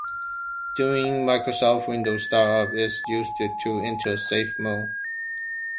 During Microsoft Windows startup, is used to enter safe mode.